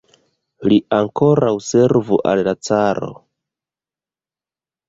Li ankoraŭ servu al la caro!